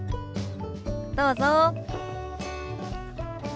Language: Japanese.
どうぞ。